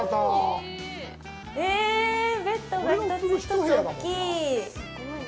え、ベッドが一つ一つ大きい。